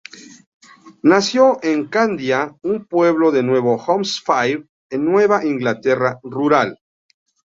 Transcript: Nació en Candia, un pueblo de Nuevo Hampshire, en la Nueva Inglaterra rural.